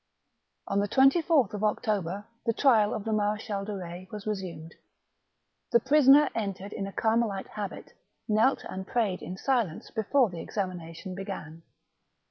On the 24th Octoher the trial of the Marechal de Retz was resumed. The prisoner entered in a Carmelite habit, knelt and prayed in silence before the examina tion began.